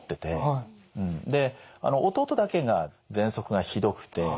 で弟だけがぜんそくがひどくて。